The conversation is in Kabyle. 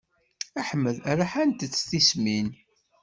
Ḥmed rḥant-t tismin.